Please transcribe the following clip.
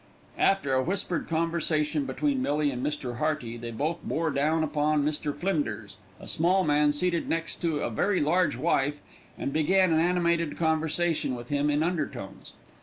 After a whispered conversation between Millie and Mr. Hearty, they both bore down upon Mr. Flinders, a small man seated next to a very large wife, and began an animated conversation with him in undertones.